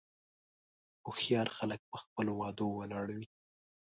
هوښیار خلک په خپلو وعدو ولاړ وي.